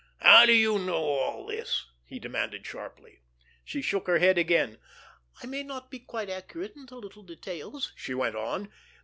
"How do you know all this?" he demanded sharply. She shook her head again. "I may not be quite accurate in the little details," she went on.